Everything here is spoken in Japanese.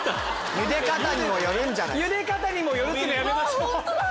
茹で方にもよるはやめましょう！